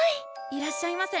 いらっしゃいませ。